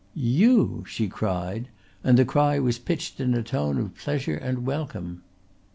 "You!" she cried and the cry was pitched in a tone of pleasure and welcome.